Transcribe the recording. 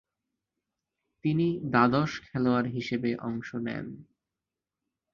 তিনি দ্বাদশ খেলোয়াড় হিসেবে অংশ নেন।